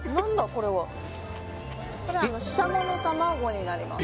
これは・これししゃもの卵になります